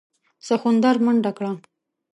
سخوندر منډه کړه.